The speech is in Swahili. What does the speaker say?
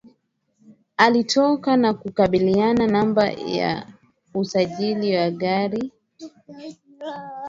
Alitoka na kubadili namba za usajili wa gari na kuweka za bandia